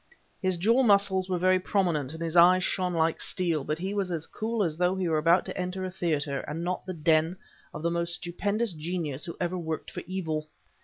His jaw muscles were very prominent and his eyes shone like steel; but he was as cool as though he were about to enter a theater and not the den of the most stupendous genius who ever worked for evil.